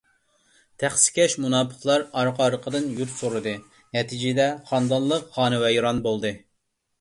تەخسىكەش مۇناپىقلار ئارقا - ئارقىدىن يۇرت سورىدى. نەتىجىدە، خانىدانلىق خانىۋەيران بولدى.